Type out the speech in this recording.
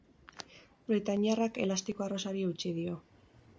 Britainiarrak elastiko arrosari eutsi dio.